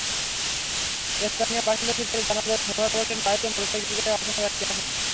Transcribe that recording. স্থানীয় বাসিন্দা সূত্রে জানা যায়, সোহরাব হোসেনের বাড়িতে মোটরসাইকেলে করে অচেনা ব্যক্তিরা আসেন।